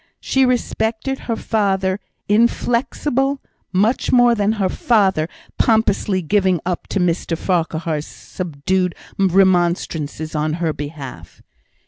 She respected her father inflexible, much more than her father pompously giving up to Mr Farquhar's subdued remonstrances on her behalf.